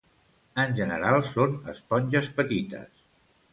En general, són esponges petites.